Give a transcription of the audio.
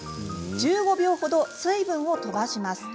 １５秒ほど水分を飛ばします。